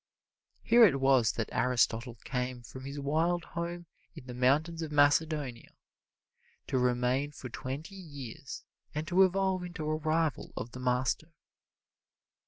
Here it was that Aristotle came from his wild home in the mountains of Macedonia, to remain for twenty years and to evolve into a rival of the master.